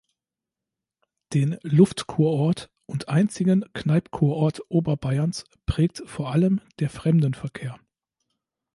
Den Luftkurort und einzigen Kneippkurort Oberbayerns prägt vor allem der Fremdenverkehr.